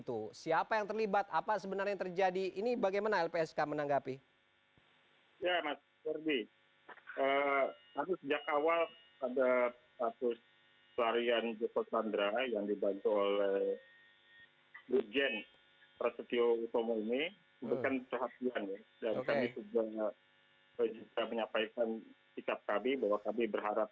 supaya terlihat asli ada uangnya gitu ya